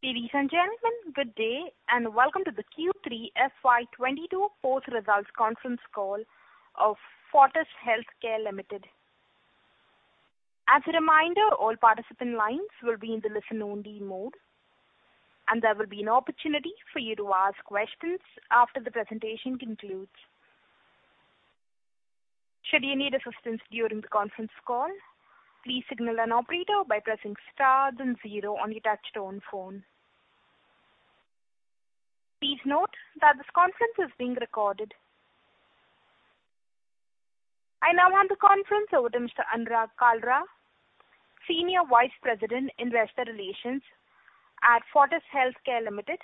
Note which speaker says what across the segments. Speaker 1: Ladies and gentlemen, good day, and welcome to the Q3 FY 2022 Post-Results Conference Call of Fortis Healthcare Limited. As a reminder, all participant lines will be in the listen-only-mode, and there will be an opportunity for you to ask questions after the presentation concludes. Should you need assistance during the conference call, please signal an operator by pressing star then zero on your touch-tone phone. Please note that this conference is being recorded. I now hand the conference over to Mr. Anurag Kalra, Senior Vice President, Investor Relations at Fortis Healthcare Limited.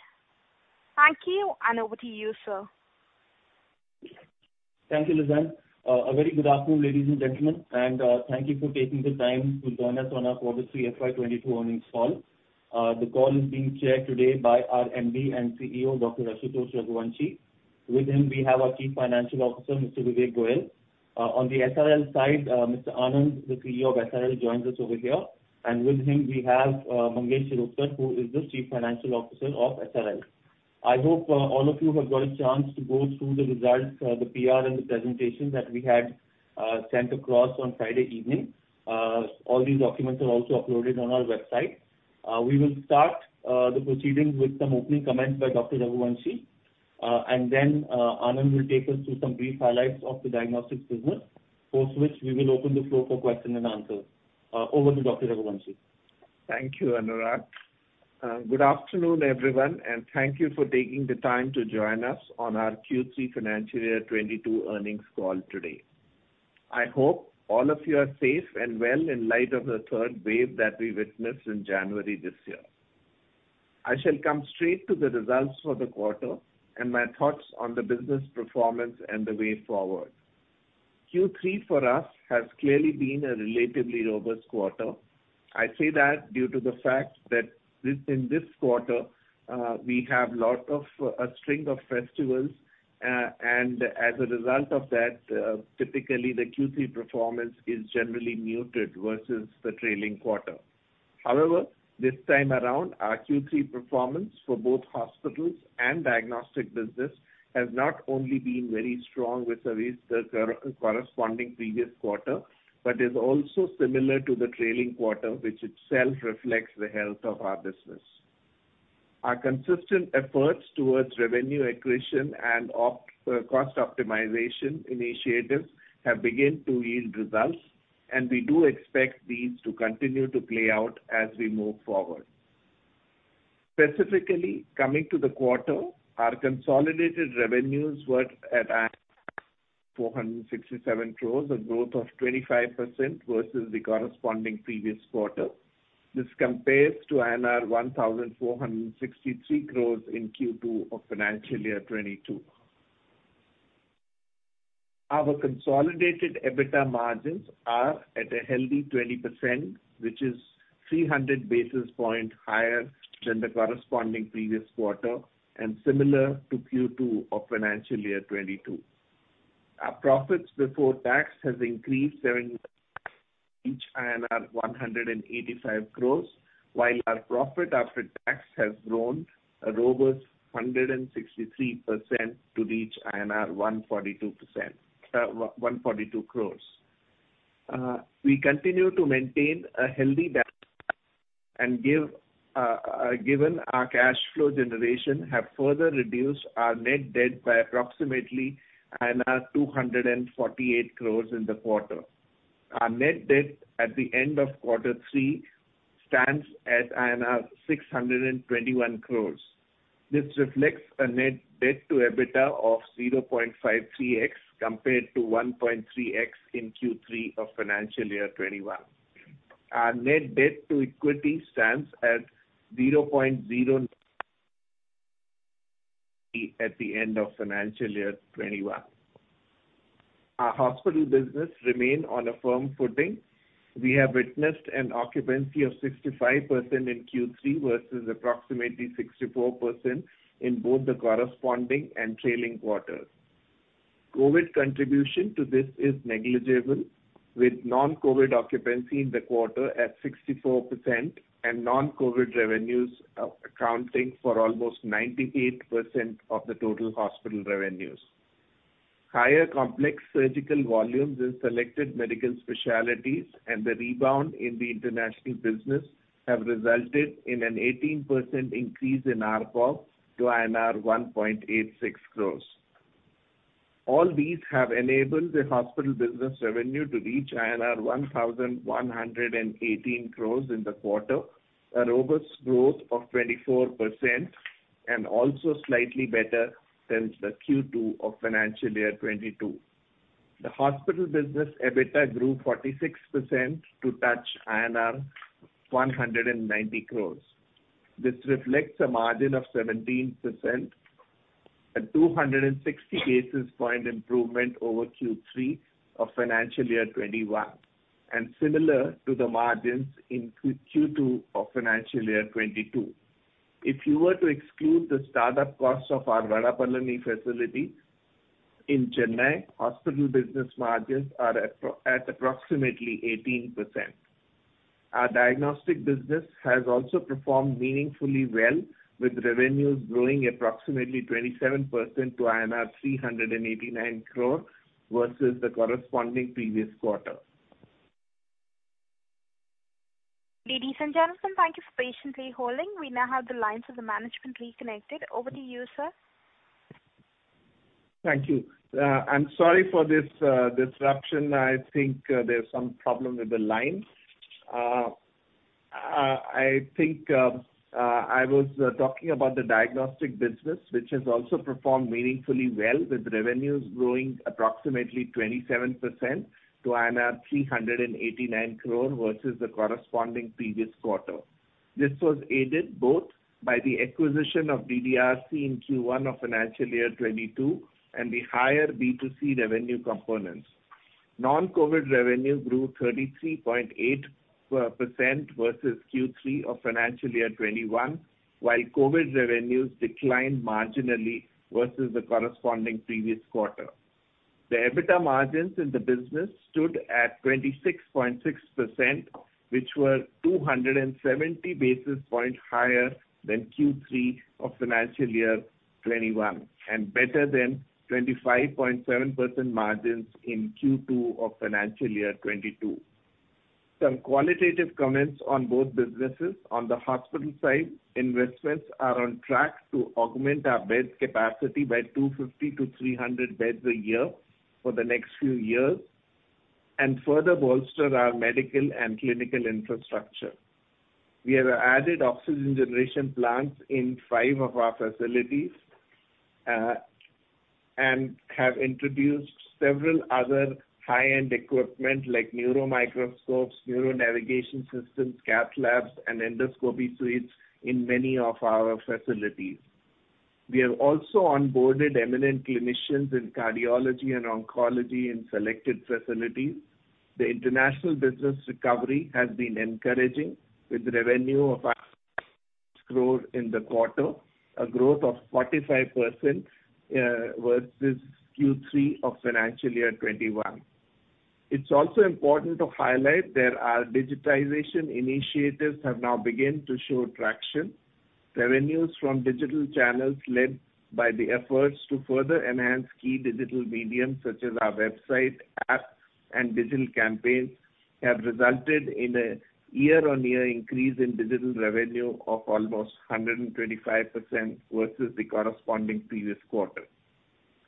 Speaker 1: Thank you, and over to you, sir.
Speaker 2: Thank you, Lizanne. A very good afternoon, ladies and gentlemen, and thank you for taking the time to join us on our Fortis Q3 FY 2022 Earnings Call. The call is being chaired today by our MD and CEO, Dr. Ashutosh Raghuvanshi. With him we have our Chief Financial Officer, Mr. Vivek Goyal. On the SRL side, Mr. Anand, the CEO of SRL, joins us over here. With him, we have Mangesh Shirodkar, who is the Chief Financial Officer of SRL. I hope all of you have got a chance to go through the results, the PR and the presentation that we had sent across on Friday evening. All these documents are also uploaded on our website. We will start the proceedings with some opening comments by Dr. Raghuvanshi. Anand will take us through some brief highlights of the Diagnostics Business, post which we will open the floor for Question-and-Answer. Over to Dr. Raghuvanshi.
Speaker 3: Thank you, Anurag. Good afternoon, everyone, and thank you for taking the time to join us on our Q3 FY 2022 Earnings Call today. I hope all of you are safe and well in light of the third wave that we witnessed in January this year. I shall come straight to the results for the quarter and my thoughts on the business performance and the way forward. Q3 for us has clearly been a relatively robust quarter. I say that due to the fact that in this quarter we have a lot of a string of festivals and as a result of that typically the Q3 performance is generally muted versus the trailing quarter. However, this time around, our Q3 performance for both hospitals and diagnostic business has not only been very strong with the corresponding previous quarter, but is also similar to the trailing quarter which itself reflects the health of our business. Our consistent efforts towards revenue acquisition and cost optimization initiatives have began to yield results, and we do expect these to continue to play out as we move forward. Specifically coming to the quarter, our consolidated revenues were at 467 crores, a growth of 25% versus the corresponding previous quarter. This compares to INR 1,463 crores in Q2 of FY 2022. Our consolidated EBITDA margins are at a healthy 20%, which is 300 basis points higher than the corresponding previous quarter and similar to Q2 of FY 2022. Our Profits Before Tax has increased 70% to reach 185 crores, while our Profit After Tax has grown a robust 163% to reach 142 crores. We continue to maintain a healthy balance sheet, given our cash flow generation have further reduced our net debt by approximately 248 crores in the quarter. Our net debt at the end of Q3 stands at 621 crores. This reflects a net debt to EBITDA of 0.53x compared to 1.3x in Q3 of FY 2021. Our net debt to equity stands at 0.09 at the end of FY 2021. Our hospital business remain on a firm footing. We have witnessed an occupancy of 65% in Q3 versus approximately 64% in both the corresponding and trailing quarters. COVID contribution to this is negligible, with non-COVID occupancy in the quarter at 64% and non-COVID revenues accounting for almost 98% of the total hospital revenues. Higher complex surgical volumes in selected medical specialties and the rebound in the international business have resulted in an 18% increase in ARPOB to INR 1.86 crores. All these have enabled the hospital business revenue to reach INR 1,118 crores in the quarter, a robust growth of 24% and also slightly better than the Q2 of FY 2022. The hospital business EBITDA grew 46% to touch INR 190 crores. This reflects a margin of 17%, a 260 basis point improvement over Q3 of FY 2021 and similar to the margins in Q2 of FY 2022. If you were to exclude the start-up costs of our Vadapalani facility in Chennai, hospital business margins are at approximately 18%. Our diagnostic business has also performed meaningfully well, with revenues growing approximately 27% to INR 389 crore versus the corresponding previous quarter.
Speaker 1: Ladies and gentlemen, thank you for patiently holding. We now have the lines of the management reconnected. Over to you, sir.
Speaker 3: Thank you. I'm sorry for this disruption. I think there's some problem with the line. I think I was talking about the diagnostic business, which has also performed meaningfully well, with revenues growing approximately 27% to 389 crore versus the corresponding previous quarter. This was aided both by the acquisition of DDRC in Q1 of FY 2022 and the higher B2C revenue components. Non-COVID revenue grew 33.8% versus Q3 of FY 2021, while COVID revenues declined marginally versus the corresponding previous quarter. The EBITDA margins in the business stood at 26.6%, which were 270 basis points higher than Q3 of FY 2021, and better than 25.7% margins in Q2 of FY 2022. Some qualitative comments on both businesses. On the hospital side, investments are on track to augment our bed capacity by 250-300 beds a year for the next few years and further bolster our medical and clinical infrastructure. We have added oxygen generation plants in five of our facilities, and have introduced several other high-end equipment like neuro microscopes, neuro navigation systems, cath labs, and endoscopy suites in many of our facilities. We have also onboarded eminent clinicians in cardiology and oncology in selected facilities. The international business recovery has been encouraging with revenue of crores in the quarter, a growth of 45%, versus Q3 of FY 2021. It's also important to highlight that our digitization initiatives have now begun to show traction. Revenues from digital channels led by the efforts to further enhance key digital mediums such as our website, apps, and digital campaigns, have resulted in a year-on-year increase in digital revenue of almost 125% versus the corresponding previous quarter.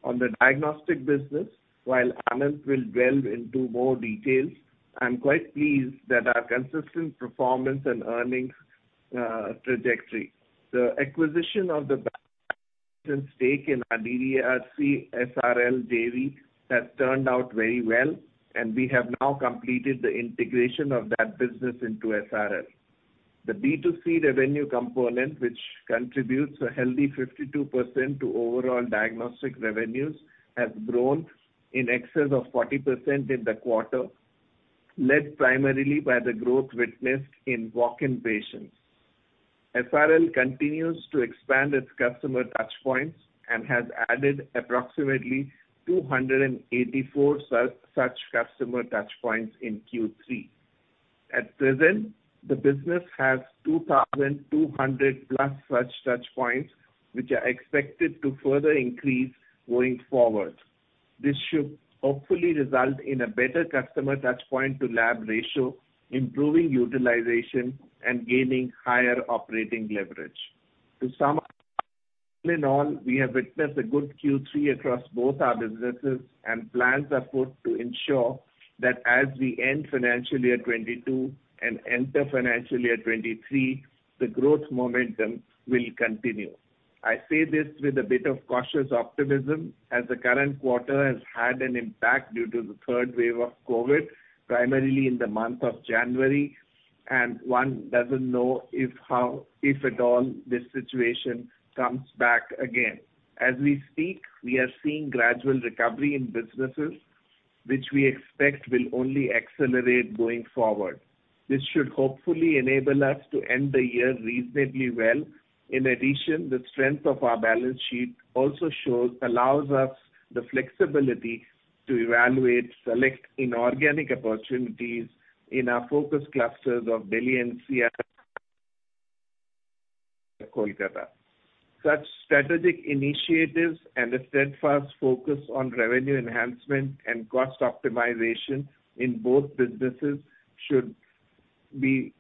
Speaker 3: On the diagnostic business, while Anand will delve into more details, I'm quite pleased that our consistent performance and earnings trajectory. The acquisition of the stake in our DDRC SRL JV has turned out very well, and we have now completed the integration of that business into SRL. The B2C revenue component, which contributes a healthy 52% to overall diagnostic revenues, has grown in excess of 40% in the quarter, led primarily by the growth witnessed in walk-in patients. SRL continues to expand its customer touchpoints and has added approximately 284 such customer touchpoints in Q3. At present, the business has 2,200+ such touchpoints, which are expected to further increase going forward. This should hopefully result in a better customer touch point to lab ratio, improving utilization and gaining higher operating leverage. To sum up, all in all, we have witnessed a good Q3 across both our businesses, and plans are put to ensure that as we end FY 2022 and enter FY 2023, the growth momentum will continue. I say this with a bit of cautious optimism, as the current quarter has had an impact due to the third wave of COVID, primarily in the month of January, and one doesn't know if, how, if at all this situation comes back again. As we speak, we are seeing gradual recovery in businesses, which we expect will only accelerate going forward. This should hopefully enable us to end the year reasonably well. In addition, the strength of our balance sheet also allows us the flexibility to evaluate, select inorganic opportunities in our focus clusters of Delhi, NCR, Kolkata. Such strategic initiatives and a steadfast focus on revenue enhancement and cost optimization in both businesses should bode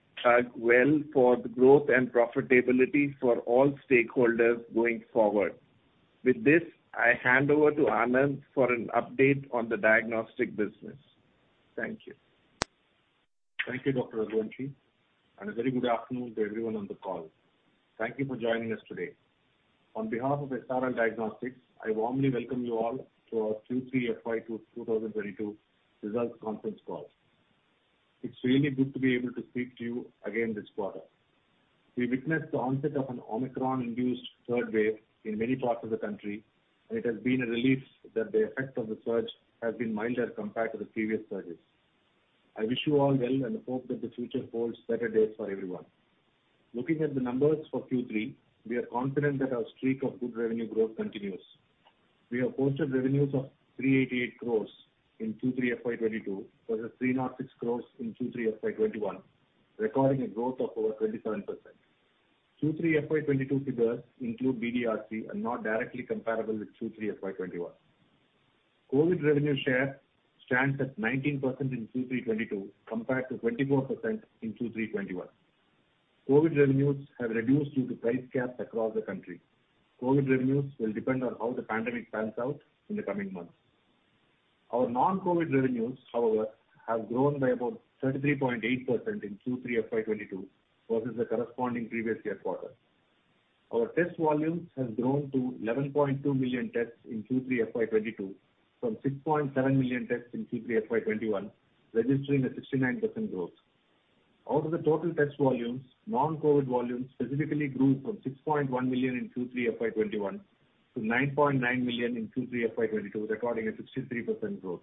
Speaker 3: well for the growth and profitability for all stakeholders going forward. With this, I hand over to Anand for an update on the diagnostic business. Thank you.
Speaker 4: Thank you, Dr. Ashutosh Raghuvanshi. A very good afternoon to everyone on the call. Thank you for joining us today. On behalf of SRL Diagnostics, I warmly welcome you all to our Q3 FY 2022 results conference call. It's really good to be able to speak to you again this quarter. We witnessed the onset of an Omicron-induced third wave in many parts of the country, and it has been a relief that the effect of the surge has been milder compared to the previous surges. I wish you all well and hope that the future holds better days for everyone. Looking at the numbers for Q3, we are confident that our streak of good revenue growth continues. We have posted revenues of 388 crores in Q3 FY 2022 versus 306 crores in Q3 FY 2021, recording a growth of over 27%. Q3 FY 2022 figures include DDRC and not directly comparable with Q3 FY 2021. COVID revenue share stands at 19% in Q3 2022 compared to 24% in Q3 2021. COVID revenues have reduced due to price caps across the country. COVID revenues will depend on how the pandemic pans out in the coming months. Our non-COVID revenues, however, have grown by about 33.8% in Q3 FY 2022 versus the corresponding previous year quarter. Our test volumes has grown to 11.2 million tests in Q3 FY 2022 from 6.7 million tests in Q3 FY 2021, registering a 69% growth. Out of the total test volumes, non-COVID volumes specifically grew from 6.1 million in Q3 FY 2021 to 9.9 million in Q3 FY 2022, recording a 63% growth.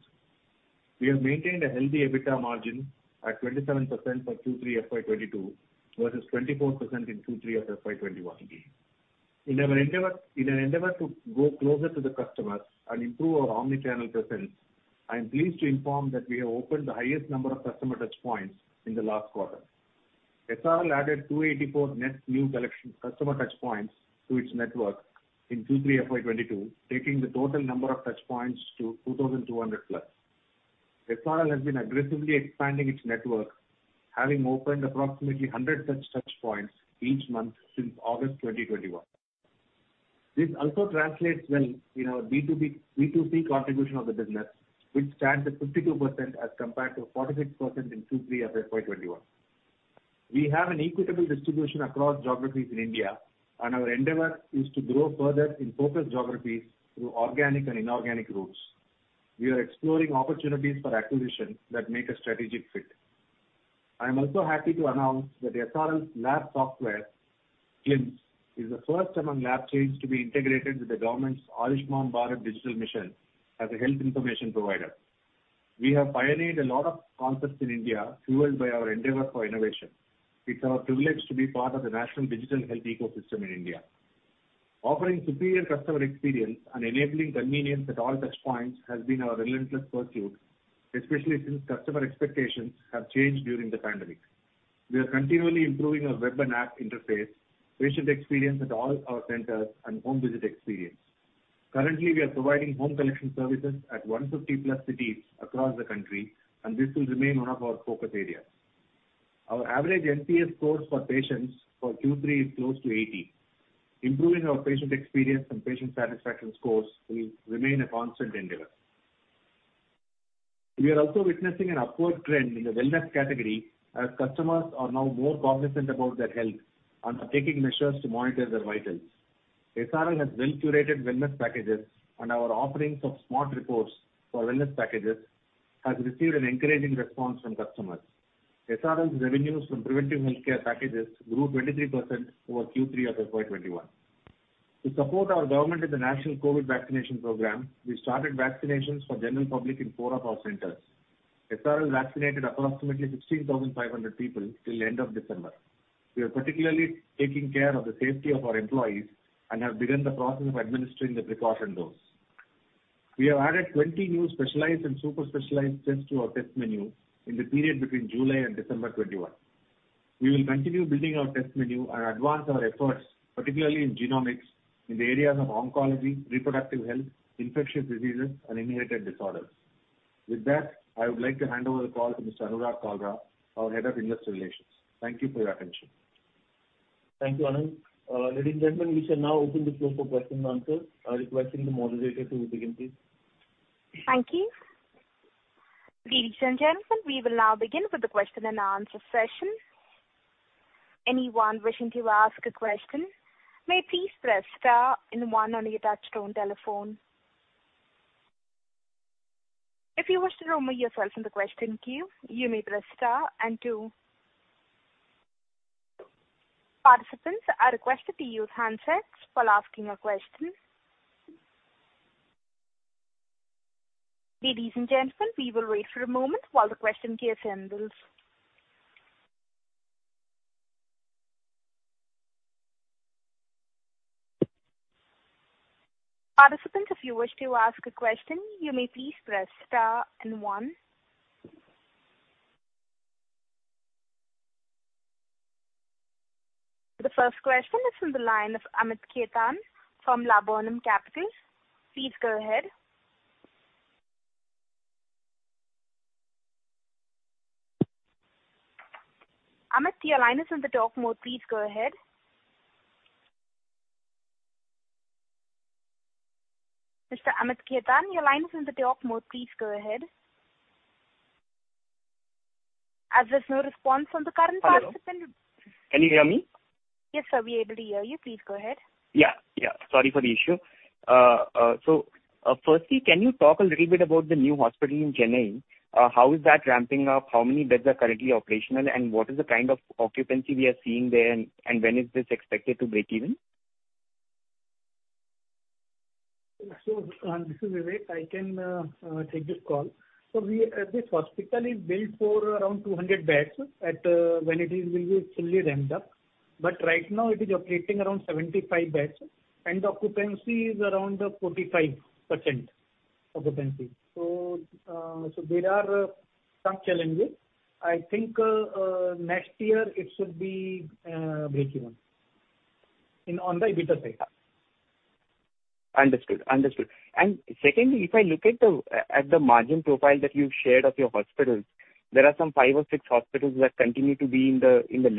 Speaker 4: We have maintained a healthy EBITDA margin at 27% for Q3 FY 2022 versus 24% in Q3 of FY 2021. In our endeavor to go closer to the customers and improve our omnichannel presence, I am pleased to inform that we have opened the highest number of customer touchpoints in the last quarter. SRL added 284 net new collection customer touchpoints to its network in Q3 FY 2022, taking the total number of touchpoints to 2,200+. SRL has been aggressively expanding its network, having opened approximately 100 such touchpoints each month since August 2021. This also translates well in our B2B-B2C contribution of the business, which stands at 52% as compared to 46% in Q3 of FY 2021. We have an equitable distribution across geographies in India, and our endeavor is to grow further in focused geographies through organic and inorganic routes. We are exploring opportunities for acquisition that make a strategic fit. I am also happy to announce that SRL's lab software, CLIMS, is the first among lab chains to be integrated with the Government's Ayushman Bharat Digital Mission as a health information provider. We have pioneered a lot of concepts in India fueled by our endeavor for innovation. It's our privilege to be part of the national digital health ecosystem in India. Offering superior customer experience and enabling convenience at all touchpoints has been our relentless pursuit, especially since customer expectations have changed during the pandemic. We are continually improving our web and app interface, patient experience at all our centers, and home-visit experience. Currently, we are providing home collection services at 150+ cities across the country, and this will remain one of our focus areas. Our average NPS scores for patients for Q3 is close to 80. Improving our patient experience and patient satisfaction scores will remain a constant endeavor. We are also witnessing an upward trend in the wellness category, as customers are now more cognizant about their health and are taking measures to monitor their vitals. SRL has well-curated wellness packages, and our offerings of smart reports for wellness packages has received an encouraging response from customers. SRL's revenues from preventive healthcare packages grew 23% over Q3 of FY 2021. To support our government in the National COVID Vaccination Program, we started vaccinations for General Public in four of our centers. SRL vaccinated approximately 16,500 people till end of December. We are particularly taking care of the safety of our employees and have begun the process of administering the precautionary dose. We have added 20 new specialized and super specialized tests to our test menu in the period between July and December 2021. We will continue building our test menu and advance our efforts, particularly in genomics, in the areas of oncology, reproductive health, infectious diseases, and inherited disorders. With that, I would like to hand over the call to Mr. Anurag Kalra, our Head of Investor Relations. Thank you for your attention.
Speaker 2: Thank you, Anand. Ladies and gentlemen, we shall now open the floor for Question-and-Answer. Requesting the moderator to begin, please.
Speaker 1: Thank you. Ladies and gentlemen, we will now begin with the Question-and-Answer session. Anyone wishing to ask a question may please press star and one on your touch-tone telephone. If you wish to remove yourself from the question queue, you may press star and two. Participants are requested to use handsets while asking a question. Ladies and gentlemen, we will wait for a moment while the question queue assembles. Participants, if you wish to ask a question, you may please press star and one. The first question is from the line of Amit Khetan from Laburnum Capital. Please go ahead. Amit, your line is on the talk mode. Please go ahead. Mr. Amit Khetan, your line is on the talk mode. Please go ahead. As there's no response from the current participant-
Speaker 5: Hello. Can you hear me?
Speaker 1: Yes, sir. We're able to hear you. Please go ahead.
Speaker 5: Yeah, yeah. Sorry for the issue. Firstly, can you talk a little bit about the new hospital in Chennai? How is that ramping up? How many beds are currently operational, and what is the kind of occupancy we are seeing there, and when is this expected to break even?
Speaker 3: This is Vivek. I can take this call. This hospital is built for around 200 beds when it will be fully ramped up. Right now it is operating around 75 beds, and occupancy is around 45%. There are some challenges. I think next year it should be breakeven on the EBITDA side.
Speaker 5: Understood. Secondly, if I look at the margin profile that you've shared of your hospitals, there are some five or six hospitals that continue to be in the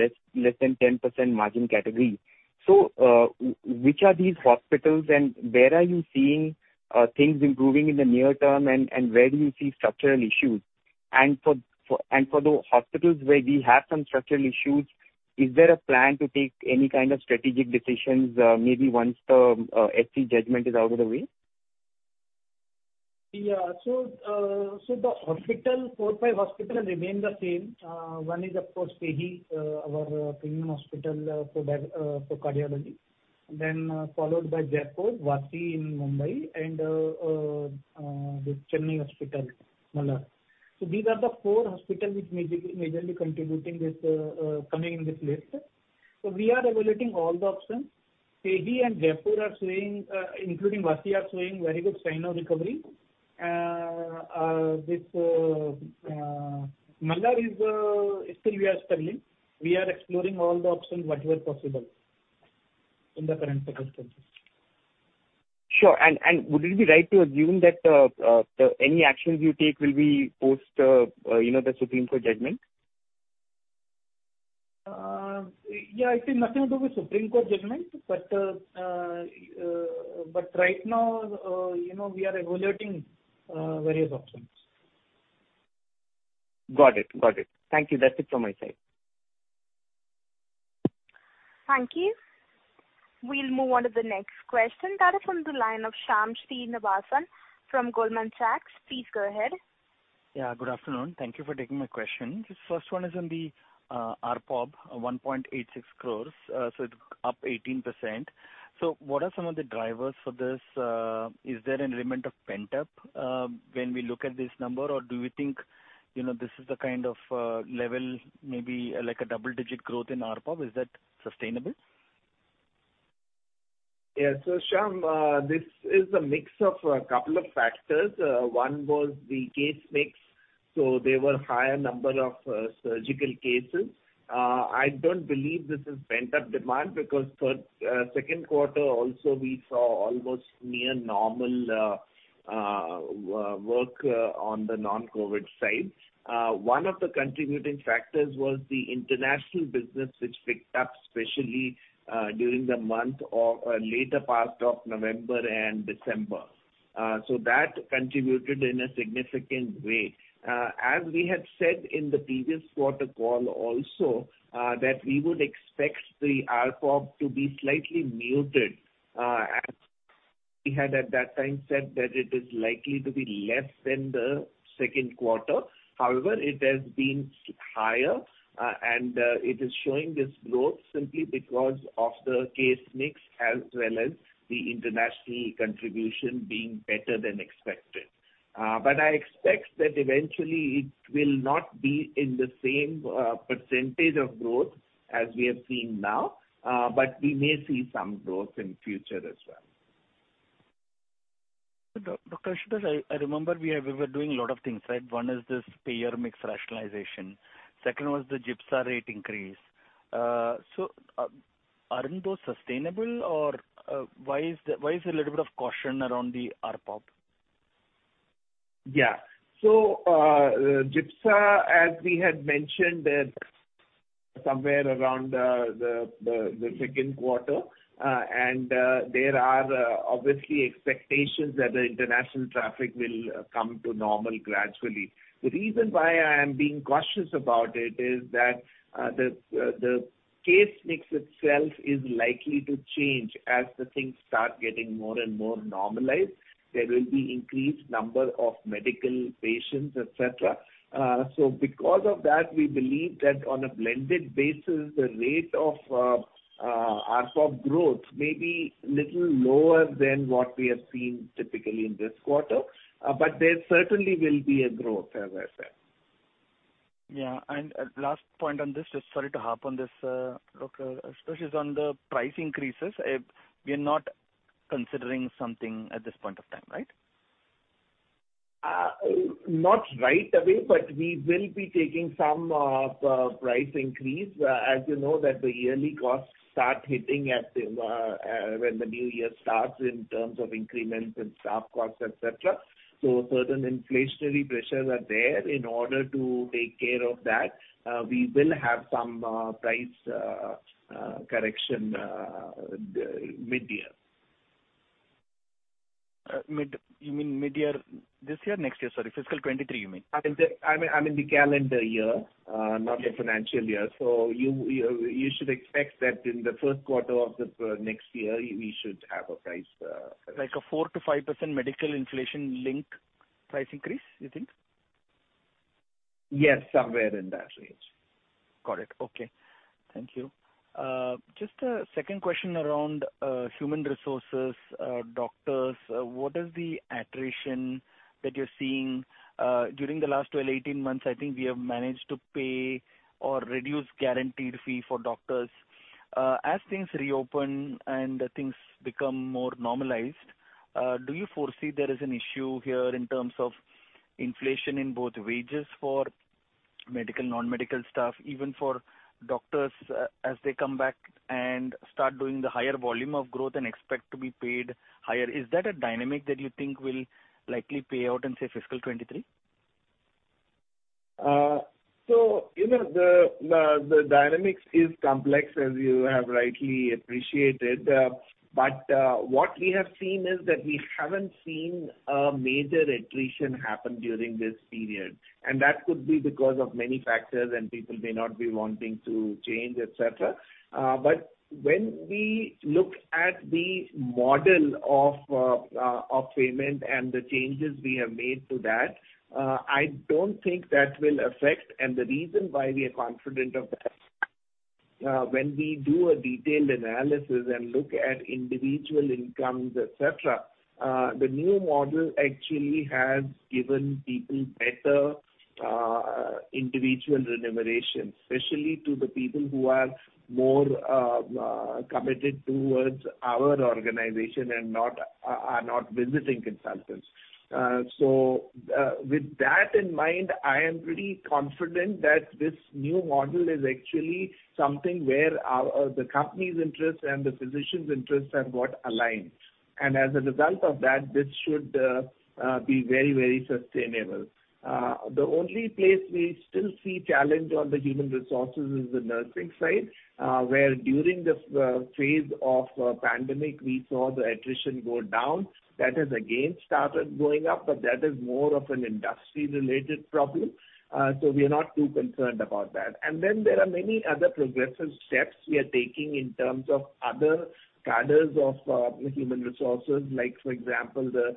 Speaker 5: less than 10% margin category. Which are these hospitals and where are you seeing things improving in the near term and where do you see structural issues? For the hospitals where we have some structural issues, is there a plan to take any kind of strategic decisions, maybe once the SE judgment is out of the way?
Speaker 3: Yeah. The four or five hospitals remain the same. One is of course Escorts, our premium hospital for cardiology. Followed by Jaipur, Vashi in Mumbai and the Chennai hospital, Malar. These are the four hospitals which are majorly contributing, thus coming in this list. We are evaluating all the options. Escorts and Jaipur, including Vashi, are showing very good sign of recovery. With Malar, we are still struggling. We are exploring all the options whatever possible in the current circumstances.
Speaker 5: Sure. Would it be right to assume that the any actions you take will be post, you know, the Supreme Court judgment?
Speaker 6: Yeah, I think nothing to do with Supreme Court judgment. Right now, you know, we are evaluating various options.
Speaker 5: Got it. Thank you. That's it from my side.
Speaker 1: Thank you. We'll move on to the next question. That is on the line of Shyam Srinivasan from Goldman Sachs. Please go ahead.
Speaker 7: Yeah, good afternoon. Thank you for taking my question. The first one is on the ARPOB, 1.86 crores. So it's up 18%. What are some of the drivers for this? Is there an element of pent-up when we look at this number? Or do you think, you know, this is the kind of level maybe like a double-digit growth in ARPOB? Is that sustainable?
Speaker 3: Yeah. Shyam, this is a mix of a couple of factors. One was the case mix, so there were higher number of surgical cases. I don't believe this is pent-up demand because for Q2 also we saw almost near normal work on the non-COVID side. One of the contributing factors was the international business which picked up especially during the month of later part of November and December. That contributed in a significant way. As we had said in the previous quarter call also, that we would expect the ARPOB to be slightly muted, as we had at that time said that it is likely to be less than the Q2. However, it has been higher, and it is showing this growth simply because of the case mix as well as the international contribution being better than expected. I expect that eventually it will not be in the same percentage of growth as we have seen now. We may see some growth in future as well.
Speaker 7: Dr. Ashutosh Raghuvanshi, I remember we were doing a lot of things, right? One is this payer mix rationalization. Second was the GIPSA rate increase. Aren't those sustainable or why is there a little bit of caution around the ARPOB?
Speaker 3: Yeah. GIPSA, as we had mentioned that somewhere around the Q2, and there are obviously expectations that the international traffic will come to normal gradually. The reason why I am being cautious about it is that the case mix itself is likely to change as the things start getting more and more normalized. There will be increased number of medical patients, et cetera. Because of that, we believe that on a blended basis the rate of ARPOB growth may be little lower than what we have seen typically in this quarter. There certainly will be a growth, as I said.
Speaker 7: Yeah. Last point on this, just sorry to harp on this, Doctor, especially on the price increases. We are not considering something at this point of time, right?
Speaker 3: Not right away, but we will be taking some price increase. As you know that the yearly costs start hitting when the new year starts in terms of increments and staff costs, et cetera. Certain inflationary pressures are there. In order to take care of that, we will have some price correction mid-year.
Speaker 7: You mean mid-year this year, next year? Sorry, fiscal 2023 you mean?
Speaker 3: I mean the calendar year, not the financial year. You should expect that in the Q1 of the next year we should have a price.
Speaker 7: Like a 4%-5% Medical Inflation-Linked Price Increase, you think?
Speaker 3: Yes, somewhere in that range.
Speaker 7: Got it. Okay. Thank you. Just a second question around human resources, doctors. What is the attrition that you're seeing? During the last 12, 18 months, I think we have managed to pay or reduce guaranteed fee for doctors. As things reopen and things become more normalized, do you foresee there is an issue here in terms of inflation in both wages for medical, non-medical staff, even for doctors as they come back and start doing the higher volume of growth and expect to be paid higher? Is that a dynamic that you think will likely play out in, say, fiscal 2023?
Speaker 3: You know, the dynamics is complex as you have rightly appreciated. What we have seen is that we haven't seen a major attrition happen during this period, and that could be because of many factors and people may not be wanting to change, et cetera. When we look at the model of payment and the changes we have made to that, I don't think that will affect. The reason why we are confident of that, when we do a detailed analysis and look at individual incomes, et cetera, the new model actually has given people better individual remuneration, especially to the people who are more committed towards our organization and are not visiting consultants. With that in mind, I am pretty confident that this new model is actually something where the company's interests and the physicians' interests have got aligned. As a result of that, this should be very, very sustainable. The only place we still see challenge on the human resources is the nursing side, where during this phase of pandemic, we saw the attrition go down. That has again started going up, but that is more of an industry-related problem, so we are not too concerned about that. There are many other progressive steps we are taking in terms of other cadres of human resources. Like for example, The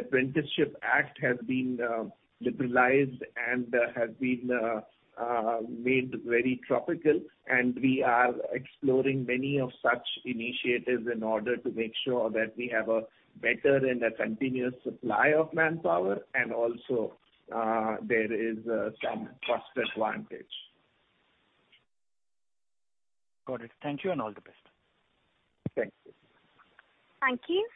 Speaker 3: Apprentices Act, 1961 has been liberalized and has been made very topical. We are exploring many of such initiatives in order to make sure that we have a better and a continuous supply of manpower. Also, there is some cost advantage.
Speaker 7: Got it. Thank you and all the best.
Speaker 3: Thank you.
Speaker 1: Thank you.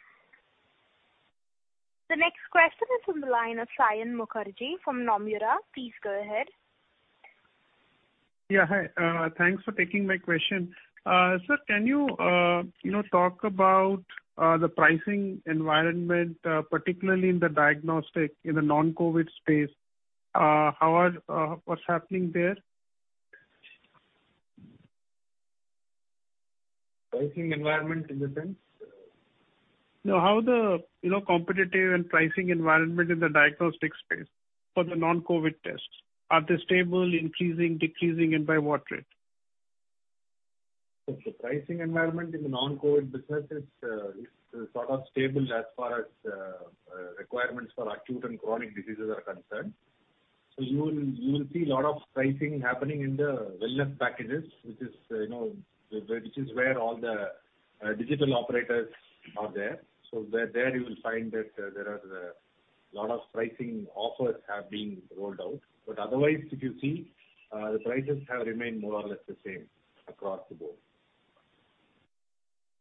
Speaker 1: The next question is from the line of Saion Mukherjee from Nomura. Please go ahead.
Speaker 8: Yeah. Hi, thanks for taking my question. Sir, can you know, talk about the pricing environment, particularly in the diagnostic, in the non-COVID space? What's happening there?
Speaker 4: Pricing environment in the sense?
Speaker 8: No, how is the, you know, competitive and pricing environment in the diagnostic space for the non-COVID tests? Are they stable, increasing, decreasing, and by what rate?
Speaker 4: The pricing environment in the non-COVID business is sort of stable as far as requirements for acute and chronic diseases are concerned. You will see a lot of pricing happening in the wellness packages, which is, you know, which is where all the digital operators are there. There you will find that there are a lot of pricing offers have been rolled out. Otherwise, if you see, the prices have remained more or less the same across the board.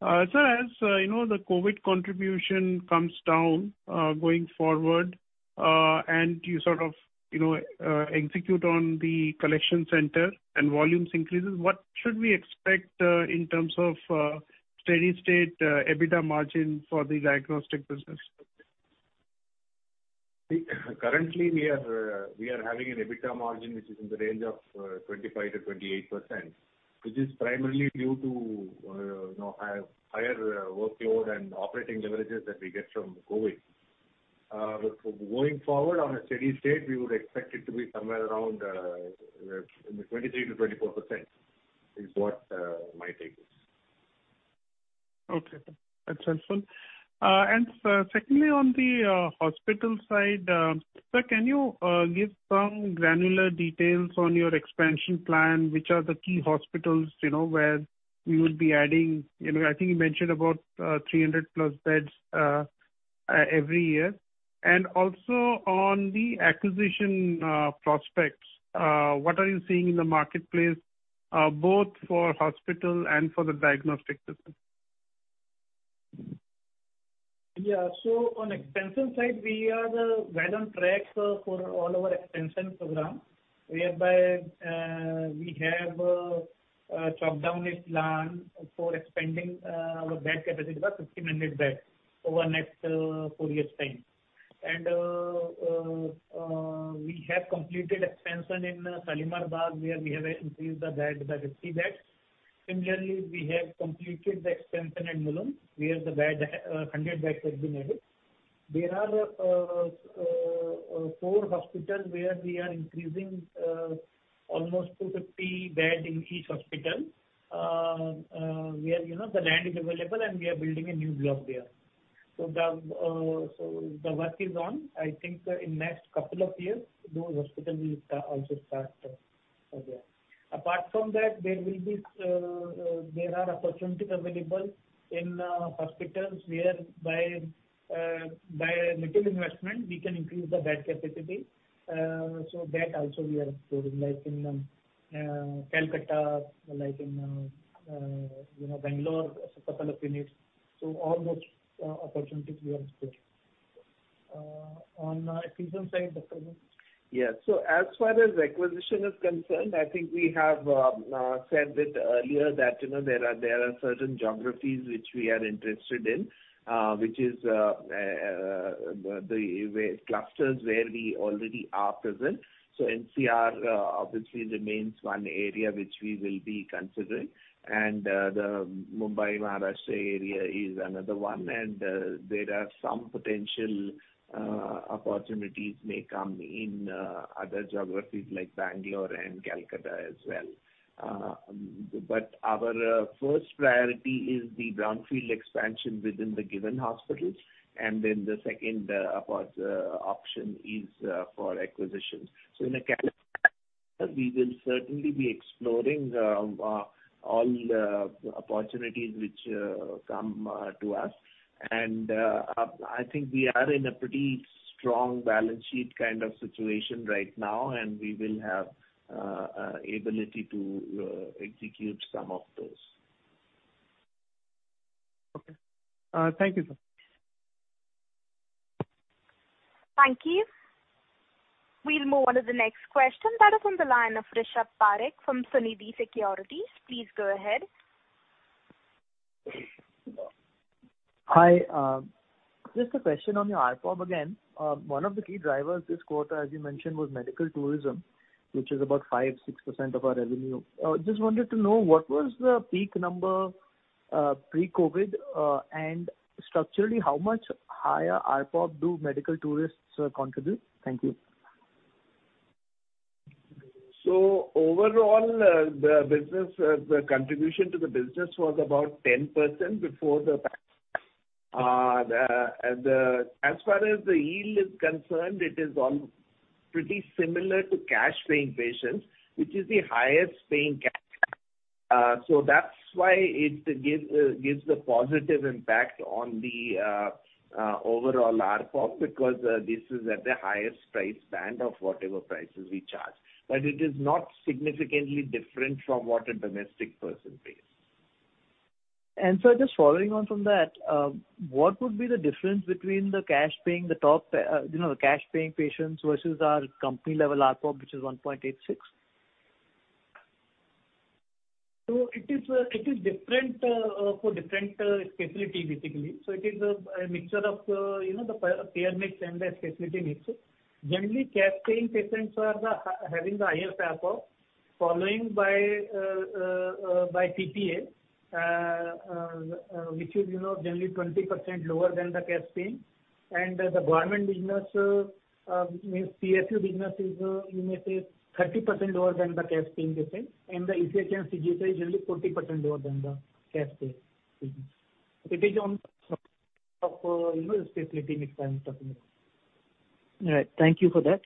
Speaker 8: Sir, as you know, the COVID contribution comes down, going forward, and you sort of, you know, execute on the collection center and volumes increases. What should we expect, in terms of, steady-state, EBITDA margin for the diagnostic business?
Speaker 6: Currently we are having an EBITDA margin which is in the range of 25%-28%, which is primarily due to, you know, higher workload and operating leverages that we get from COVID. But going forward on a steady-state, we would expect it to be somewhere around in the 23%-24%, is what my take is.
Speaker 8: Okay. That's helpful. Secondly, on the hospital side, sir, can you give some granular details on your expansion plan, which are the key hospitals, you know, where you would be adding. You know, I think you mentioned about 300+ beds every year. Also on the acquisition prospects, what are you seeing in the marketplace, both for hospital and for the diagnostic system?
Speaker 6: On expansion side, we are well on track for all our expansion programs, whereby we have scaled down this plan for expanding our bed capacity by 59 beds over next four years' time. We have completed expansion in Shalimar Bagh, where we have increased the bed by 50 beds. Similarly, we have completed the expansion in Mulund, where 100 beds have been added. There are four hospitals where we are increasing almost 250 beds in each hospital, where you know the land is available and we are building a new block there. The work is on. I think in next couple of years, those hospitals will also start over there. Apart from that, there are opportunities available in hospitals whereby a little investment we can increase the bed capacity. That also we are exploring, like in Kalkata, like in, you know, Bengalore, a couple of units. All those opportunities we are exploring. On acquisition side, Dr. Ashutosh Raghuvanshi.
Speaker 3: Yes. As far as acquisition is concerned, I think we have said it earlier that, you know, there are certain geographies which we are interested in, which is where clusters where we already are present. NCR obviously remains one area which we will be considering. The Mumbai-Maharashtra Area is another one. There are some potential opportunities may come in other geographies like Bengalore and Kolkata as well. Our first priority is the Brownfield Expansion within the given hospitals. Then the second option is for acquisitions. In a category we will certainly be exploring all the opportunities which come to us. I think we are in a pretty strong balance sheet kind of situation right now, and we will have ability to execute some of those.
Speaker 8: Okay. Thank you, sir.
Speaker 1: Thank you. We'll move on to the next question. That is on the line of Rishabh Parekh from Sunidhi Securities. Please go ahead.
Speaker 9: Hi. Just a question on your ARPOB again. One of the key drivers this quarter, as you mentioned, was Medical Tourism, which is about 5-6% of our revenue. Just wanted to know what was the peak number, pre-COVID, and structurally, how much higher ARPOB do medical tourists contribute? Thank you.
Speaker 3: Overall, the contribution to the business was about 10% before the. As far as the yield is concerned, it is all pretty similar to cash-paying patients, which is the highest paying. That's why it gives the positive impact on the overall ARPOB, because this is at the highest price band of whatever prices we charge. But it is not significantly different from what a domestic person pays.
Speaker 9: Just following on from that, what would be the difference between the cash-paying patients versus our company level ARPOB, which is 1.86?
Speaker 6: It is different for different specialty basically. It is a mixture of, you know, the payer mix and the specialty mix. Generally, cash-paying patients are having the highest ARPOB, followed by TPA, which is, you know, generally 20% lower than the cash-paying. The Government Business means PSU business is, you may say, 30% lower than the cash-paying patient. The ECHS and CGHS are generally 40% lower than the cash pay patients. It is a function of, you know, specialty mix and customer.
Speaker 9: All right. Thank you for that.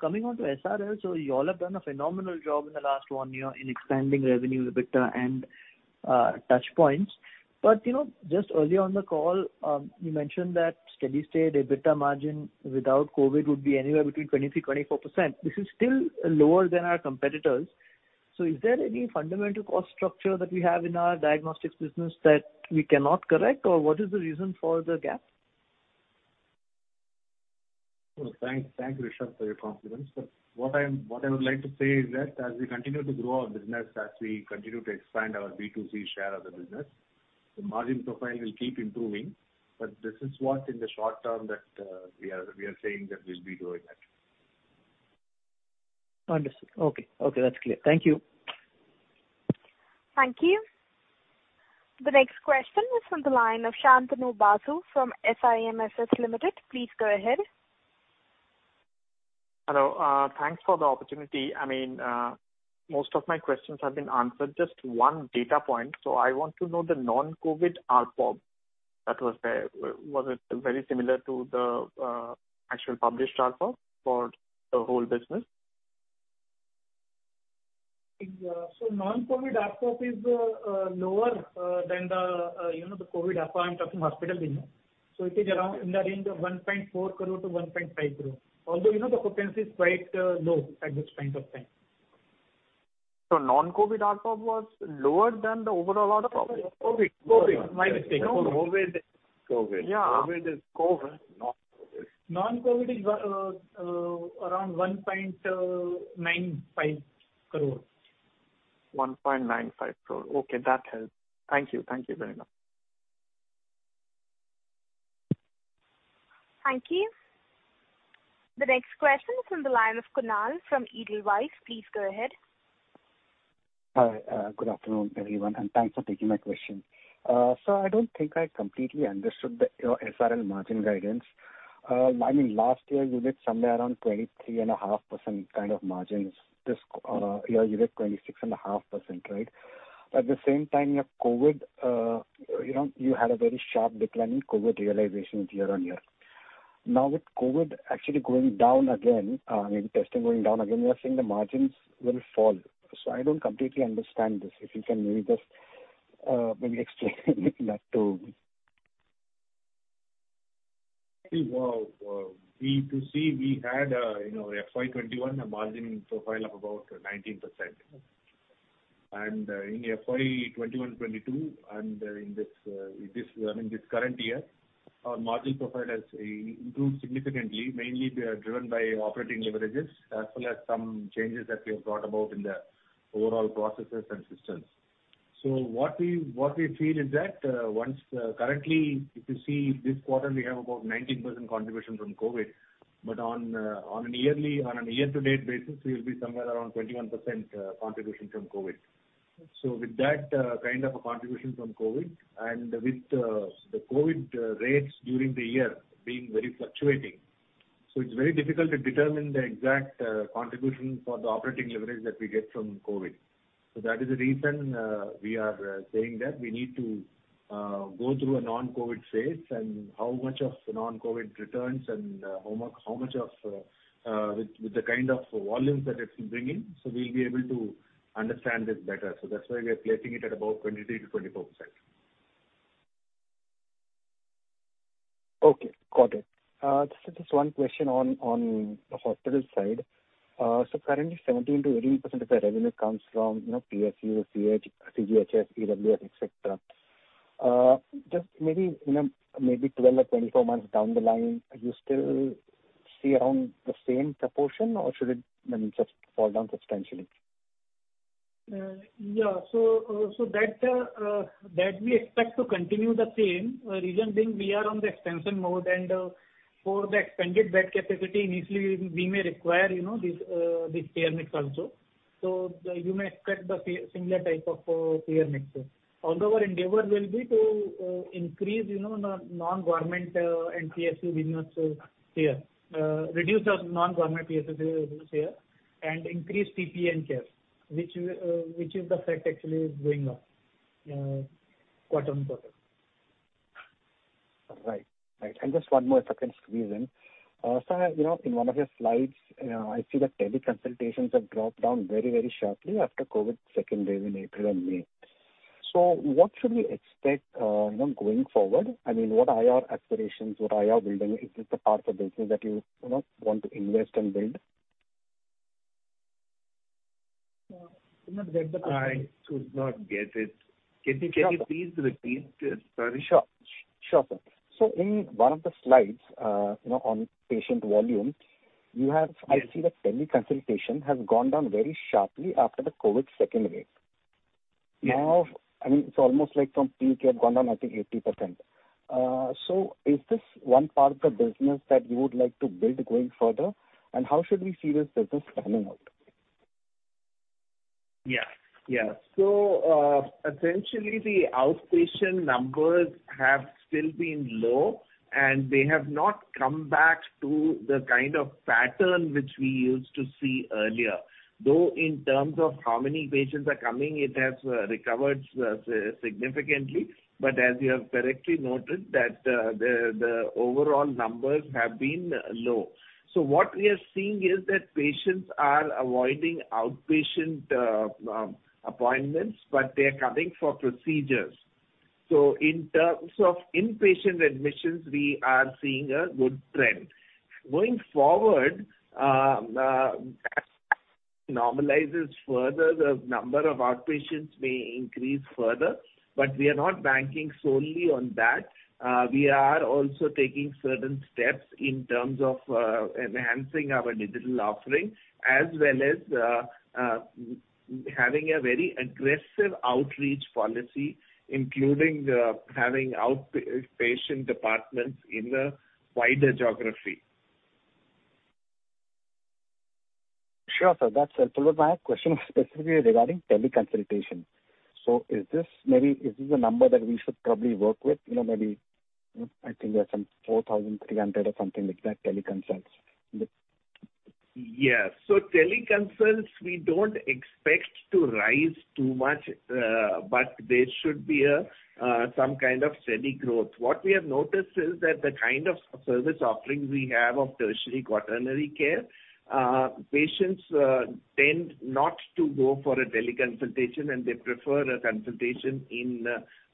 Speaker 9: Coming on to SRL, so you all have done a phenomenal job in the last one year in expanding revenue, EBITDA and touchpoints. You know, just earlier on the call, you mentioned that steady-state EBITDA margin without COVID would be anywhere between 23%-24%. This is still lower than our competitors. Is there any fundamental cost structure that we have in our Diagnostics Business that we cannot correct, or what is the reason for the gap?
Speaker 4: Thank you, Rishabh, for your confidence. What I would like to say is that as we continue to grow our business, as we continue to expand our B2C share of the business, the margin profile will keep improving. This is what in the short term that we are saying that we'll be doing that.
Speaker 9: Understood. Okay, that's clear. Thank you.
Speaker 1: Thank you. The next question is from the line of Shantanu Basu from SMIFS Limited. Please go ahead.
Speaker 10: Hello. Thanks for the opportunity. I mean, most of my questions have been answered. Just one data point. I want to know the non-COVID ARPOB that was there. Was it very similar to the actual published ARPOB for the whole business?
Speaker 6: Non-COVID ARPOB is lower than the, you know, the COVID ARPOB. I'm talking hospital business. It is around in the range of 1.4 crore-1.5 crore, although, you know, the occupancy is quite low at this point of time.
Speaker 10: non-COVID ARPOB was lower than the overall ARPOB?
Speaker 6: COVID. My mistake.
Speaker 3: COVID.
Speaker 10: Yeah.
Speaker 3: COVID, not COVID.
Speaker 6: Non-COVID is around 1.95 crore.
Speaker 10: 1.95 crore. Okay, that helps. Thank you. Thank you very much.
Speaker 1: Thank you. The next question is from the line of Kunal from Edelweiss. Please go ahead.
Speaker 11: Hi. Good afternoon, everyone, and thanks for taking my question. I don't think I completely understood the, you know, SRL margin guidance. I mean, last year you did somewhere around 23.5% kind of margins. This year you did 26.5%, right? At the same time, your COVID, you know, you had a very sharp decline in COVID realizations year on year. Now, with COVID actually going down again, I mean testing going down again, you are saying the margins will fall. I don't completely understand this. If you can maybe just, maybe explain that to me?
Speaker 4: Well, if you see, we had, you know, FY 2021 a margin profile of about 19%. In FY 2021/2022 and in this—I mean, this current year, our margin profile has improved significantly, mainly driven by operating leverages as well as some changes that we have brought about in the overall processes and systems. What we feel is that, currently, if you see this quarter, we have about 19% contribution from COVID, but on a yearly, on a year-to-date basis, we'll be somewhere around 21%, contribution from COVID. With that kind of a contribution from COVID and with the COVID rates during the year being very fluctuating, it's very difficult to determine the exact contribution for the operating leverage that we get from COVID. That is the reason we are saying that we need to go through a non-COVID phase and how much of non-COVID returns and how much with the kind of volumes that it will bring in, so we'll be able to understand this better. That's why we are placing it at about 23%-24%.
Speaker 11: Okay. Got it. Just one question on the hospital side. Currently 17%-18% of the revenue comes from, you know, PSU, CH, CGHS, EWS, et cetera. Just maybe in 12 or 24 months down the line, you still see around the same proportion, or should it, I mean, just fall down substantially?
Speaker 6: That we expect to continue the same, reason being we are on the expansion mode and, for the expanded bed capacity, initially we may require, you know, this payer mix also. You may expect the similar type of payer mix. Although our endeavor will be to increase, you know, non-government and PSU business share. Reduce the non-Government PSU business share and increase PP and corporate, which is the fact actually is going up, quarter-on-quarter.
Speaker 11: Right. Just one more question. You know, in one of your slides, I see that Teleconsultations have dropped down very, very sharply after COVID Second Wave in April and May. What should we expect, you know, going forward? I mean, what are your aspirations? What are you building? Is this the part of the business that you know want to invest and build?
Speaker 6: Could not get the question.
Speaker 3: I could not get it. Can you please repeat? Sorry.
Speaker 11: Sure, sir. In one of the slides, you know, on patient volumes, you have
Speaker 3: Yes.
Speaker 11: I see that Teleconsultation has gone down very sharply after the COVID Second Wave.
Speaker 3: Yes.
Speaker 11: Now, I mean, it's almost like from peak you have gone down, I think, 80%. So is this one part of the business that you would like to build going further? How should we see this business panning out?
Speaker 3: Essentially the outpatient numbers have still been low, and they have not come back to the kind of pattern which we used to see earlier. Though in terms of how many patients are coming, it has recovered significantly, but as you have correctly noted, that the overall numbers have been low. What we are seeing is that patients are avoiding outpatient appointments, but they are coming for procedures. In terms of inpatient admissions, we are seeing a good trend. Going forward, as everything normalizes further, the number of outpatients may increase further, but we are not banking solely on that. We are also taking certain steps in terms of enhancing our digital offering as well as having a very aggressive outreach policy, including having outpatient departments in a wider geography.
Speaker 11: Sure, sir. That's helpful. My question was specifically regarding Teleconsultation. Is this maybe a number that we should probably work with? You know, maybe, you know, I think there are some 4,300 or something like that teleconsults.
Speaker 3: Yes. Teleconsults we don't expect to rise too much, but there should be some kind of steady growth. What we have noticed is that the kind of service offerings we have of tertiary, quaternary care patients tend not to go for a Teleconsultation, and they prefer a consultation in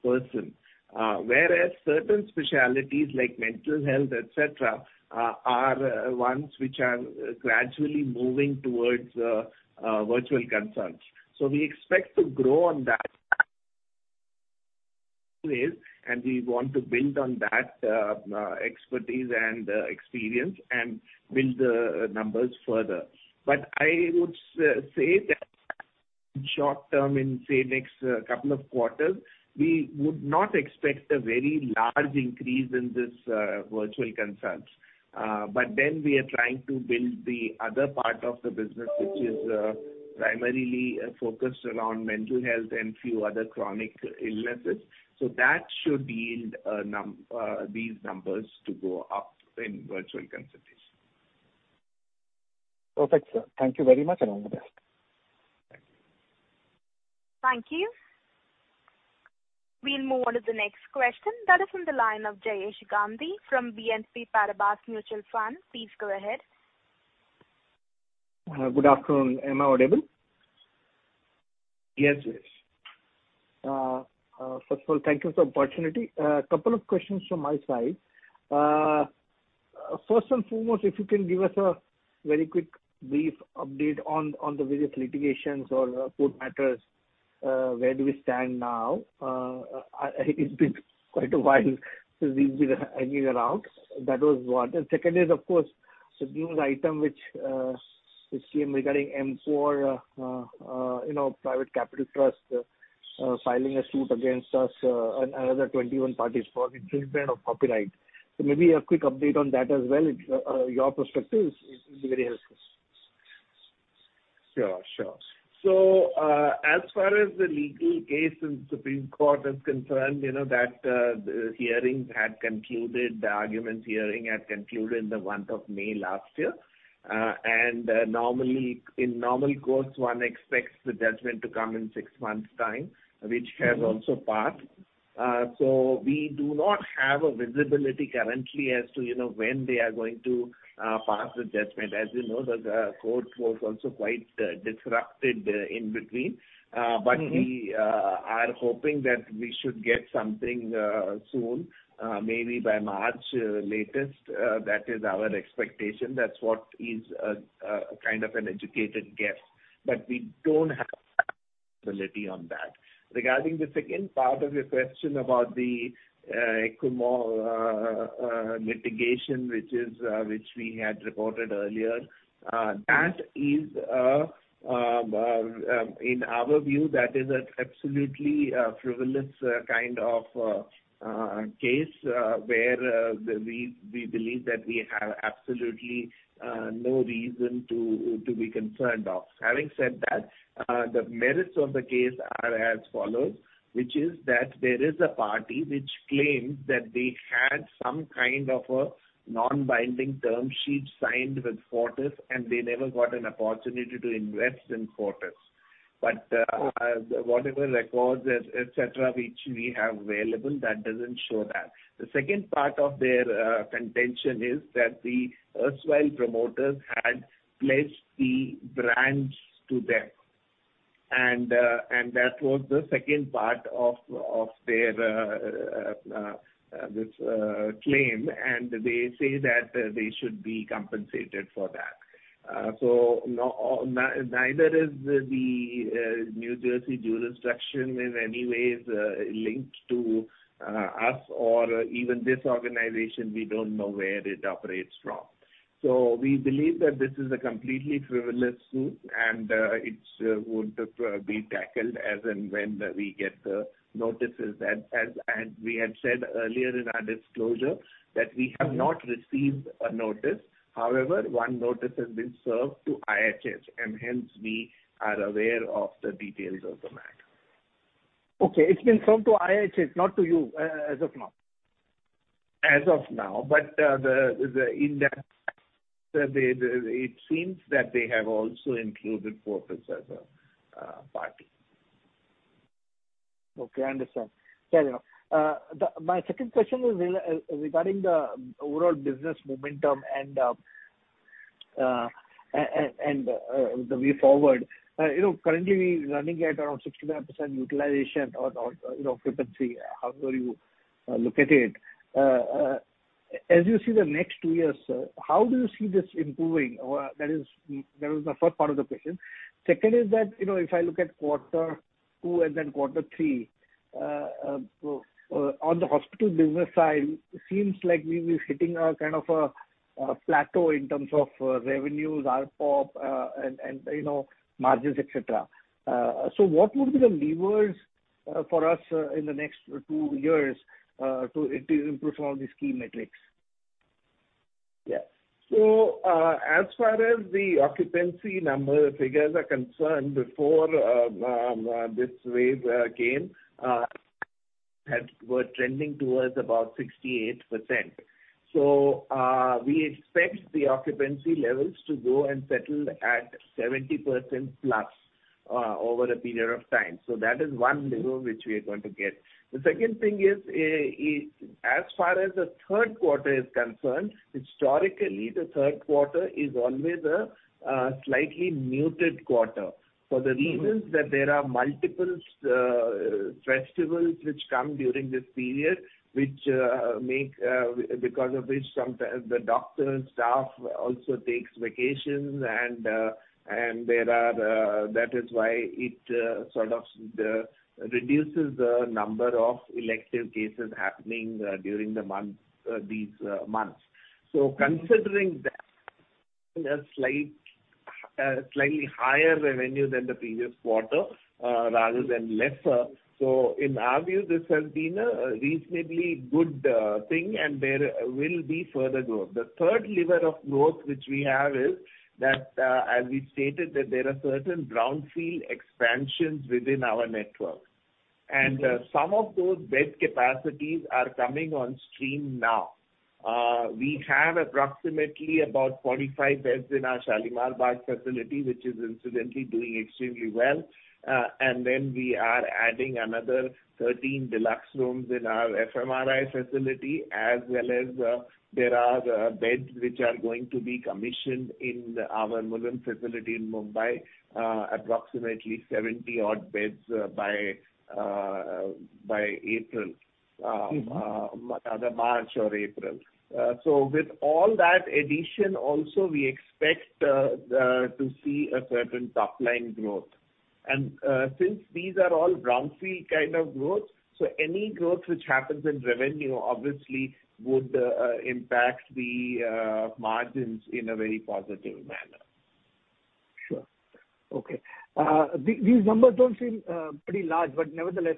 Speaker 3: person. Whereas certain specialties like mental health, et cetera, are ones which are gradually moving towards Virtual Consults. We expect to grow on that. We want to build on that expertise and experience and build the numbers further. I would say that short term, in say next couple of quarters, we would not expect a very large increase in this Virtual Consults. We are trying to build the other part of the business which is primarily focused around mental health and few other chronic illnesses. That should yield these numbers to go up in virtual consultations.
Speaker 11: Perfect, sir. Thank you very much, and all the best.
Speaker 1: Thank you. We'll move on to the next question. That is on the line of Jayesh Gandhi from BNP Paribas Mutual Fund. Please go ahead.
Speaker 12: Good afternoon. Am I audible?
Speaker 3: Yes, yes.
Speaker 12: First of all, thank you for the opportunity. Couple of questions from my side. First and foremost, if you can give us a very quick brief update on the various litigations or court matters, where do we stand now? It's been quite a while since we've been hanging around. That was one. Second is, of course, the news item which we've seen regarding Emqore Envesecure Private Capital Trust, you know, filing a suit against us, another 21 parties for infringement of copyright. Maybe a quick update on that as well. Your perspective is very helpful?
Speaker 3: Sure. As far as the legal case in Supreme Court is concerned, you know that the hearings had concluded, the argument hearing had concluded in the month of May last year. Normally, in normal course, one expects the judgment to come in six months' time, which has also passed. We do not have a visibility currently as to, you know, when they are going to pass the judgment. As you know, the court was also quite disrupted in between.
Speaker 12: Mm-hmm.
Speaker 3: We are hoping that we should get something soon, maybe by March latest. That is our expectation. That's what is kind of an educated guess. We don't have on that. Regarding the second part of your question about the Emqore litigation, which we had reported earlier, that is in our view an absolutely frivolous kind of case where we believe that we have absolutely no reason to be concerned of. Having said that, the merits of the case are as follows, which is that there is a party which claims that they had some kind of a non-binding term sheet signed with Fortis, and they never got an opportunity to invest in Fortis. Whatever records, et cetera, which we have available, that doesn't show that. The second part of their contention is that the erstwhile promoters had pledged the brands to them, and that was the second part of their claim, and they say that they should be compensated for that. Neither is the New Jersey jurisdiction in any way linked to us or even this organization. We don't know where it operates from. We believe that this is a completely frivolous suit and it would be tackled as and when we get the notices. We had said earlier in our disclosure that we have not received a notice. However, one notice has been served to IHH, and hence we are aware of the details of the matter.
Speaker 12: Okay. It's been served to IHH, not to you as of now?
Speaker 3: As of now, it seems that they have also included Fortis as a party.
Speaker 12: Okay, I understand. Fair enough. My second question is regarding the overall business momentum and the way forward. You know, currently we're running at around 65% utilization or you know, occupancy, however you look at it. As you see the next two years, how do you see this improving? That was the first part of the question. Second is that, you know, if I look at quarter two and then quarter three, on the hospital business side, it seems like we'll be hitting a kind of plateau in terms of revenues, ARPOB, and you know, margins, et cetera. So what would be the levers for us in the next two years to improve some of these key metrics?
Speaker 3: As far as the occupancy number figures are concerned, before this wave came, were trending towards about 68%. We expect the occupancy levels to go and settle at 70% plus over a period of time. That is one lever which we are going to get. The second thing is as far as the Q3 is concerned, historically the Q3 is always a slightly muted quarter for the reasons that there are multiple festivals which come during this period, which make, because of which sometimes the doctor and staff also takes vacations and there are that is why it sort of reduces the number of elective cases happening during the month these months. Considering that slightly higher revenue than the previous quarter, rather than lesser. In our view, this has been a reasonably good thing, and there will be further growth. The third lever of growth which we have is that, as we stated, there are certain Brownfield Expansions within our network. Some of those bed capacities are coming on stream now. We have approximately 45 beds in our Shalimar Bagh facility, which is incidentally doing extremely well. Then we are adding another 13 deluxe rooms in our FMRI facility, as well as there are the beds which are going to be commissioned in our Mulund facility in Mumbai, approximately 70-odd beds by April, either March or April. With all that addition also we expect to see a certain top-line growth. Since these are all Brownfield kind of growth, so any growth which happens in revenue obviously would impact the margins in a very positive manner.
Speaker 12: Sure. Okay. These numbers don't seem pretty large, but nevertheless.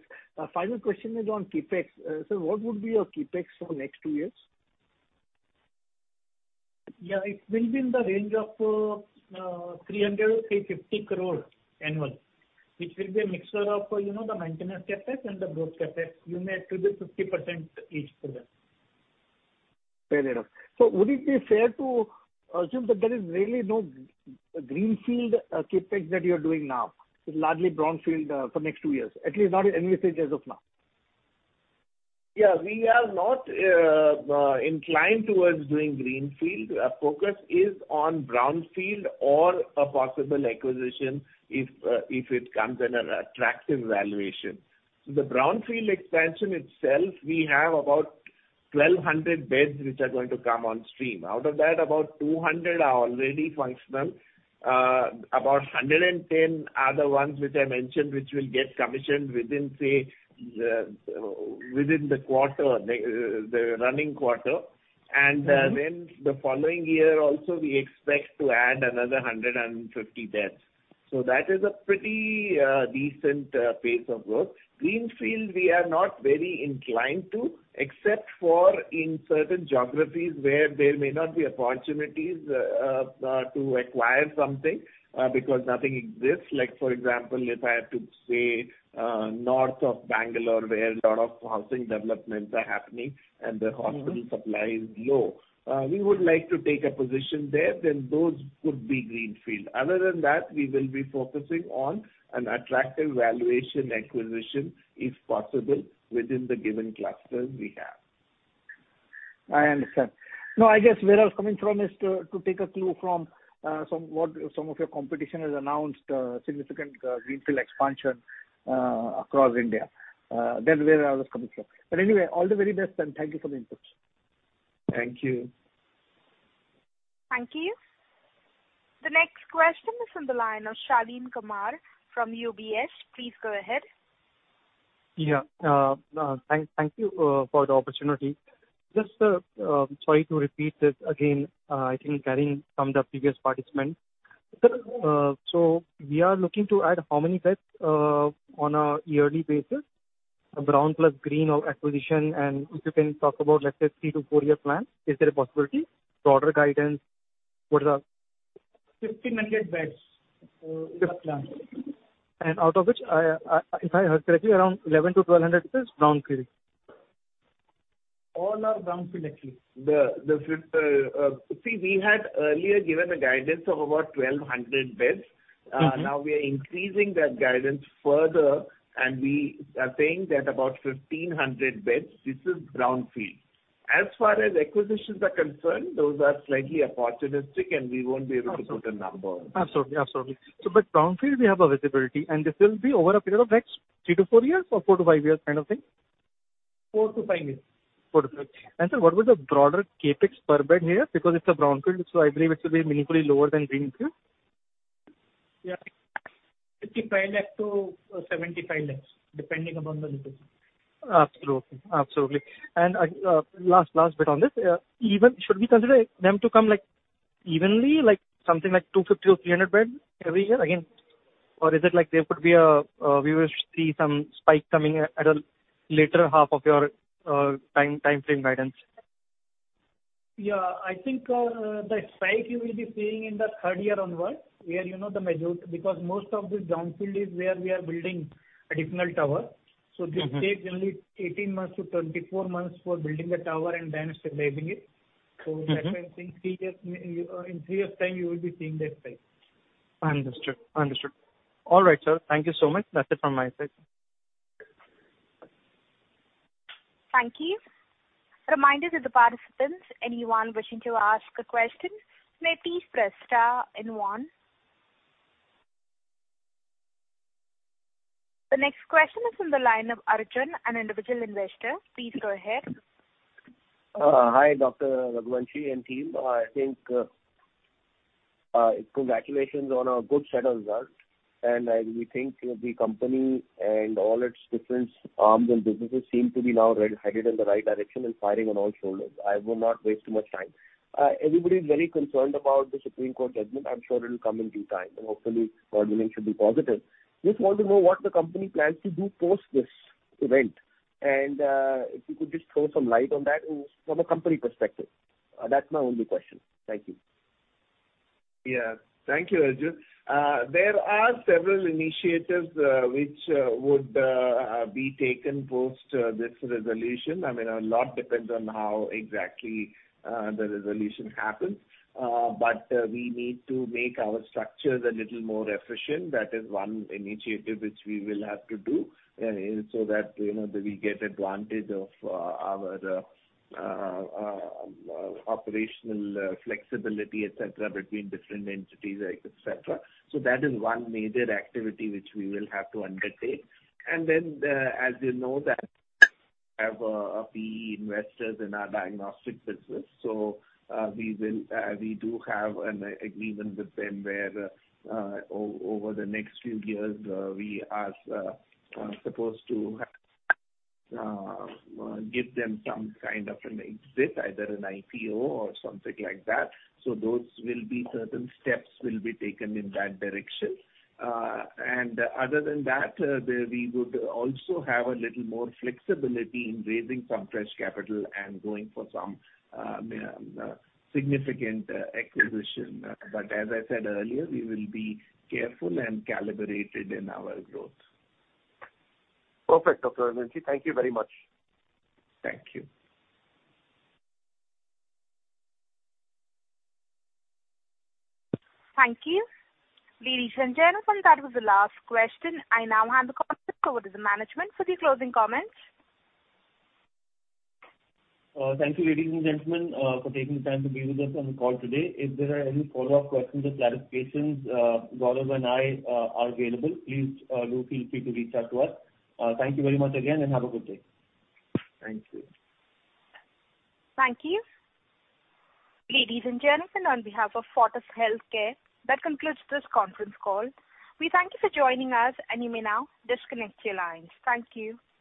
Speaker 12: Final question is on CapEx. What would be your CapEx for next two years?
Speaker 6: Yeah. It will be in the range of 300 crore-350 crore annual. It will be a mixture of, you know, the maintenance CapEx and the growth CapEx. You may attribute 50% each to that.
Speaker 12: Fair enough. Would it be fair to assume that there is really no greenfield CapEx that you are doing now? It's largely Brownfield for next two years, at least not envisaged as of now.
Speaker 3: Yeah. We are not inclined towards doing greenfield. Our focus is on Brownfield or a possible acquisition if it comes in an attractive valuation. The Brownfield Expansion itself, we have about 1,200 beds which are going to come on stream. Out of that, about 200 are already functional. About 110 are the ones which I mentioned, which will get commissioned within, say, within the quarter, the running quarter.
Speaker 12: Mm-hmm.
Speaker 3: The following year also we expect to add another 150 beds. That is a pretty decent pace of growth. Greenfield, we are not very inclined to, except for in certain geographies where there may not be opportunities to acquire something, because nothing exists. Like for example, if I have to say, north of Bengaluru, where a lot of housing developments are happening and the hospital
Speaker 12: Mm-hmm.
Speaker 3: Supply is low. We would like to take a position there, then those could be greenfield. Other than that, we will be focusing on an attractive valuation acquisition if possible within the given clusters we have.
Speaker 12: I understand. No, I guess where I was coming from is to take a clue from some of what some of your competition has announced, significant greenfield expansion across India. That's where I was coming from. Anyway, all the very best, and thank you for the inputs.
Speaker 3: Thank you.
Speaker 1: Thank you. The next question is from the line of Shaleen Kumar from UBS. Please go ahead.
Speaker 13: Thank you for the opportunity. Just sorry to repeat this again, I think carrying from the previous participant. So we are looking to add how many beds on a yearly basis, Brownfield plus greenfield or acquisition? And if you can talk about, let's say, three-four-year plan, is there a possibility? Broader guidance, what is that?
Speaker 3: 1500 beds is our plan.
Speaker 13: Out of which, I, if I heard correctly, around 1100-1200 beds Brownfield.
Speaker 3: All are Brownfield actually. See, we had earlier given a guidance of about 1,200 beds.
Speaker 13: Mm-hmm.
Speaker 3: Now we are increasing that guidance further, and we are saying that about 1,500 beds. This is Brownfield. As far as acquisitions are concerned, those are slightly opportunistic, and we won't be able to put a number on it.
Speaker 13: Absolutely. Brownfield we have a visibility, and this will be over a period of next three-four years or four-five years kind of thing?
Speaker 3: Four-five years.
Speaker 13: Four-five. Sir, what was the broader CapEx per bed here? Because it's a Brownfield, so I believe it will be meaningfully lower than greenfield.
Speaker 3: Yeah. INR 55 lakh-INR 75 lakhs, depending upon the location.
Speaker 13: Absolutely. Last bit on this. Even should we consider them to come like evenly, like something like 250 or 300 beds every year again? Or is it like there could be a we will see some spike coming at a later half of your timeframe guidance?
Speaker 3: Yeah. I think the spike you will be seeing in the third year onward, where you know the major. Because most of the Brownfield is where we are building additional tower.
Speaker 13: Mm-hmm.
Speaker 3: This takes only 18 months-24 months for building the tower and then stabilizing it.
Speaker 13: Mm-hmm.
Speaker 3: That's why I'm saying three years, in three years' time you will be seeing that spike.
Speaker 13: Understood. All right, sir. Thank you so much. That's it from my side.
Speaker 1: Thank you. Reminder to the participants, anyone wishing to ask a question, may please press star and one. The next question is from the line of Arjun, an individual investor. Please go ahead.
Speaker 14: Hi, Dr. Ashutosh Raghuvanshi and team. I think, congratulations on a good set of results. We think the company and all its different arms and businesses seem to be now headed in the right direction and firing on all cylinders. I will not waste too much time. Everybody is very concerned about the Supreme Court judgment. I'm sure it'll come in due time, and hopefully, ruling should be positive. I just want to know what the company plans to do post this event. If you could just throw some light on that from a company perspective. That's my only question. Thank you.
Speaker 3: Yeah. Thank you, Arjun. There are several initiatives which would be taken post this resolution. I mean, a lot depends on how exactly the resolution happens. We need to make our structures a little more efficient. That is one initiative which we will have to do so that, you know, we get advantage of our operational flexibility, et cetera, between different entities, et cetera. That is one major activity which we will have to undertake. As you know, we have PE investors in our diagnostic business. We do have an agreement with them where over the next few years we are supposed to give them some kind of an exit, either an IPO or something like that. Those certain steps will be taken in that direction. Other than that, we would also have a little more flexibility in raising some fresh capital and going for some significant acquisition. As I said earlier, we will be careful and calibrated in our growth.
Speaker 2: Perfect, Dr. Ashutosh Raghuvanshi. Thank you very much.
Speaker 3: Thank you.
Speaker 1: Thank you. Ladies and gentlemen, that was the last question. I now hand the conference over to the management for the closing comments.
Speaker 2: Thank you, ladies and gentlemen, for taking the time to be with us on the call today. If there are any follow-up questions or clarifications, Gaurav and I are available. Please do feel free to reach out to us. Thank you very much again, and have a good day.
Speaker 3: Thank you.
Speaker 1: Thank you. Ladies and gentlemen, on behalf of Fortis Healthcare, that concludes this conference call. We thank you for joining us, and you may now disconnect your lines. Thank you.